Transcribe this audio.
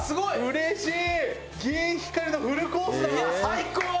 うれしい！